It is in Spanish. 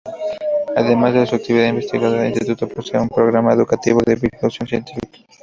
Además de su actividad investigadora, el instituto posee un programa educativo de divulgación científica.